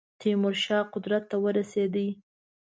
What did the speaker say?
تیمور شاه قدرت ته ورسېدی.